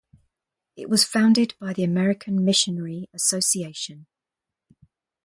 It was founded by the American Missionary Association.